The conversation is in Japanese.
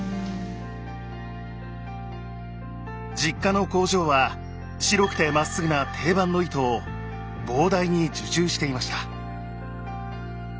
実家の工場は白くてまっすぐな定番の糸を膨大に受注していました。